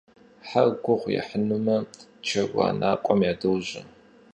Хьэр гугъу ехьынумэ чэруанакӀуэм ядожьэ.